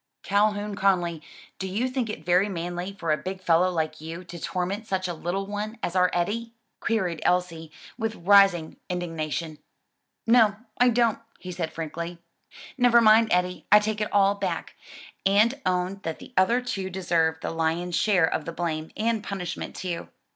"Calhoun Conly, do you think it very manly for a big fellow like you to torment such a little one as our Eddie?" queried Elsie, with rising indignation. "No, I don't," he said frankly. "Never mind, Eddie, I take it all back, and own that the other two deserve the lion's share of the blame, and punishment too.